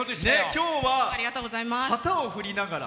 今日は旗を振りながら。